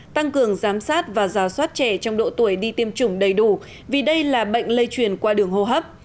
tăng cường giám sát và giả soát trẻ trong độ tuổi đi tiêm chủng đầy đủ vì đây là bệnh lây truyền qua đường hô hấp